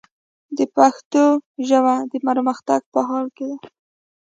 د پښتو ژبه، د پرمختګ په حال کې ده.